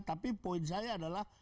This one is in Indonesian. tapi poin saya adalah